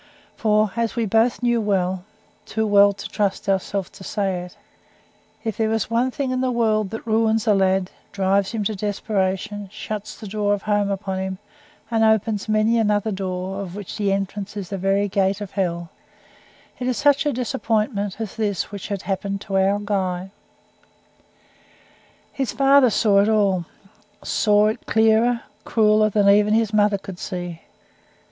For, as we both knew well too well to trust ourselves to say it if there was one thing in the world that ruins a lad, drives him to desperation, shuts the door of home upon him, and opens many another door, of which the entrance is the very gate of hell it is such a disappointment as this which had happened to our Guy. His father saw it all. Saw it clearer, crueller, than even his mother could see.